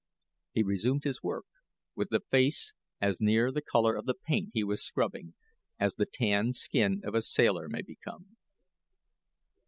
He resumed his work, with a face as near the color of the paint he was scrubbing as the tanned skin of a sailor may become.